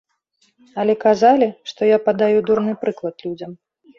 Але казалі, што я падаю дурны прыклад людзям.